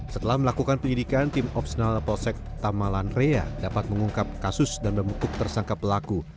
setelah melakukan penyelidikan tim opsional posec tamalan rhea dapat mengungkap kasus dan membentuk tersangka pelaku